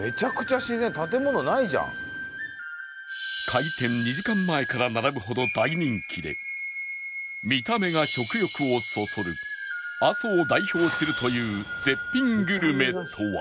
開店２時間前から並ぶほど大人気で見た目が食欲をそそる阿蘇を代表するという絶品グルメとは？